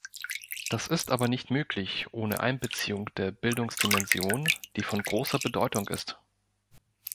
Das ist aber nicht möglich ohne Einbeziehung der Bildungsdimension, die von großer Bedeutung ist.